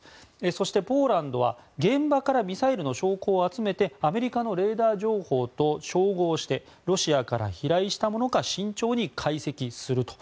そして、ポーランドは現場からミサイルの証拠を集めてアメリカのレーダー情報と照合してロシアから飛来したものか慎重に解析すると。